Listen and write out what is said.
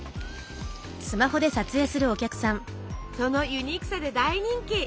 そのユニークさで大人気！